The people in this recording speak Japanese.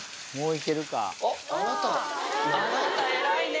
あなた、偉いね。